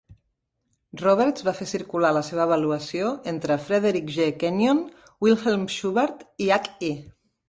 Roberts va fer circular la seva avaluació entre Frederic G. Kenyon, Wilhelm Schubart i H. I.